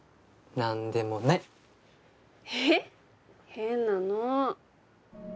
変なの。